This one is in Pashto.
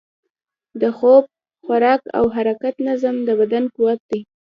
د خوب، خوراک او حرکت نظم، د بدن قوت دی.